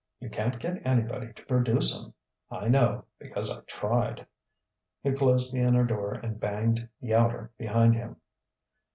You can't get anybody to produce 'em. I know, because I've tried." He closed the inner door and banged the outer behind him.